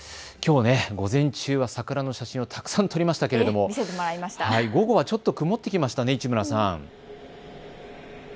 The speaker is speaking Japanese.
きょう午前中は桜の写真、たくさん撮りましたけれども、午後はちょっと曇ってきましたね、市村さん。